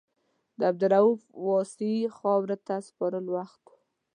د عبدالرؤف واسعي خاورو ته سپارلو وخت و.